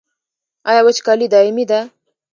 آیا وچکالي دایمي ده؟